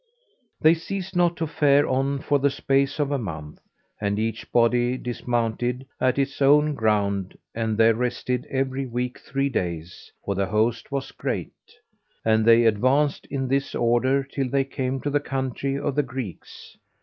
They ceased not to fare on for the space of a month, and each body dismounted at its own ground and there rested every week three days (for the host was great); and they advanced in this order till they came to the country of the Greeks.